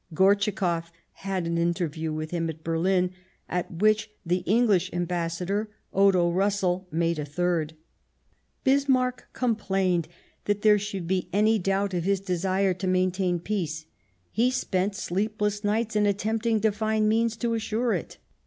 Gortschakoff had an inter view with him at Berlin at which the English Am bassador, Odo Russell, made a third. Bismarck complained that there should be any doubt of his desire to maintain peace ; he spent sleepless nights in attempting to find means to assure it.